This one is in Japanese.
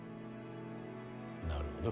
なるほど。